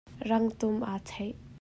Rangtum aa chaih.